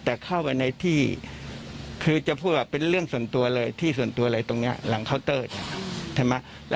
แต่เข้าไปในที่คือจะพูดว่าเป็นเรื่องส่วนตัวเลยที่ส่วนตัวอะไรตรงนี้หลังเคาน์เตอร์ใช่ไหม